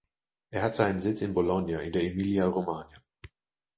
Es hat seinen Sitz in Bologna in der Emilia-Romagna.